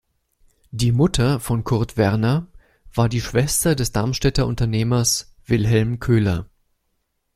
Die Mutter von Kurt Werner war die Schwester des Darmstädter Unternehmers Wilhelm Köhler.